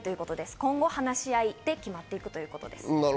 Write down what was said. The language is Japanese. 今後、話し合いで決まっていくということです。